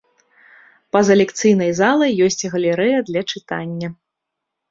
Па-за лекцыйнай залай ёсць галерэя для чытання.